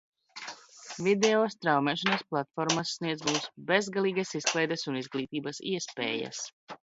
Video straumēšanas platformas sniedz mums bezgalīgas izklaides un izglītības iespējas.